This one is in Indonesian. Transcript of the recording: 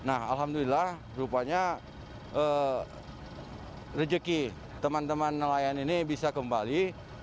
nah alhamdulillah rupanya rejeki teman teman nelayan ini bisa kembali